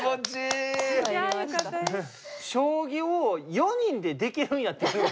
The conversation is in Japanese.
将棋を４人でできるんやっていう。